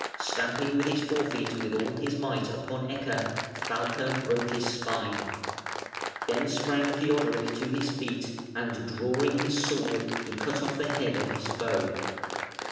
Stamping with his forefeet, with all his might, upon Ecke, Falke broke his spine. Then sprang Theodoric to his feet, and drawing his sword he cut off the head of his foe.